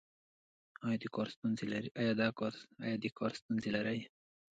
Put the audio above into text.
ایا د کار ستونزې لرئ؟